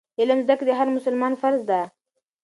د علم زده کړه د هر مسلمان فرض دی.